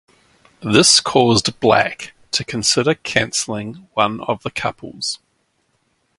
This caused Black to consider cancelling one of the couples.